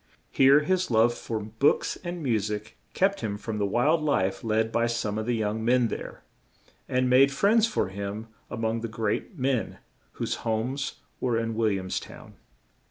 Here, his love for books and mu sic kept him from the wild life led by some of the young men there, and made friends for him a mong the great men, whose homes were in Wil liams town.